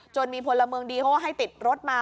จนมีพลเมืองดีเพราะว่าให้ติดรถมา